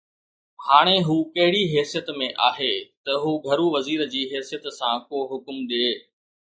هاڻي هو ڪهڙي حيثيت ۾ آهي ته هو گهرو وزير جي حيثيت سان ڪو حڪم ڏئي